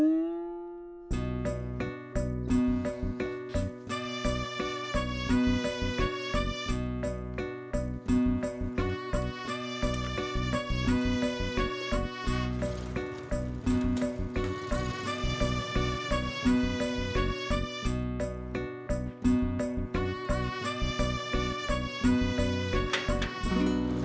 udah gue ngajak